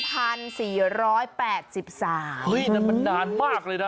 นั่นมันนานมากเลยนะ